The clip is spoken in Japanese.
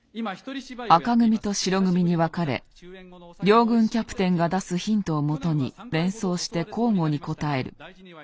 紅組と白組に分かれ両軍キャプテンが出すヒントをもとに連想して交互に答える。